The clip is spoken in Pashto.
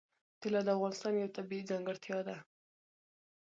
طلا د افغانستان یوه طبیعي ځانګړتیا ده.